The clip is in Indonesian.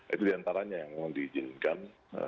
itu diantaranya yang diizinkan